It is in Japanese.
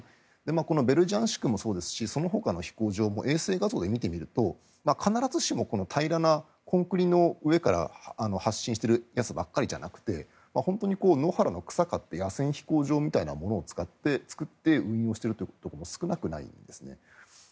このベルジャンシクもそうですしそのほかの飛行場も衛星画像で見てみると必ずしも平らなコンクリの上から発進しているやつばかりじゃなくて本当に野原の草を刈って野戦飛行場みたいなのを作って運用してるところも少なくないんですね。